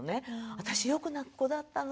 私よく泣く子だったのよ。